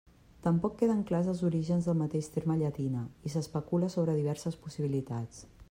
Tampoc queden clars els orígens del mateix terme llatina i s'especula sobre diverses possibilitats.